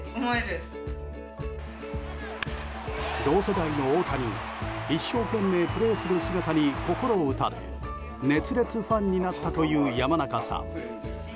同世代の大谷が一生懸命プレーする姿に心打たれ熱烈ファンになったという山中さん。